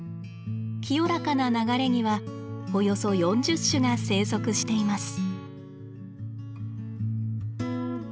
清らかな流れにはおよそ４０種が生息しています。